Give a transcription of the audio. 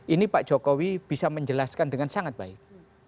ini pak jokowi bisa menjelaskan dengan sangat baik